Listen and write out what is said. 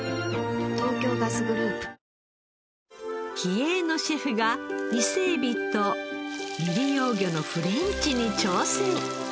東京ガスグループ気鋭のシェフが伊勢えびと未利用魚のフレンチに挑戦。